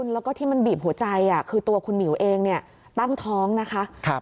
แล้วก็ที่มันบีบหัวใจคือตัวคุณหมิวเองเนี่ยตั้งท้องนะคะ